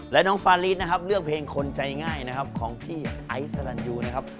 และน้องฟารีสนะครับเลือกเพลงคนใจง่ายนะครับของพี่ไอซ์สรรยูนะครับ